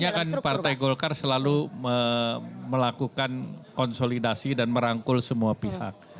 ya kan partai golkar selalu melakukan konsolidasi dan merangkul semua pihak